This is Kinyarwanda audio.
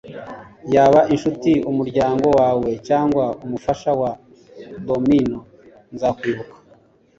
yaba inshuti, umuryango wawe, cyangwa umufasha wa domino, nzakwibuka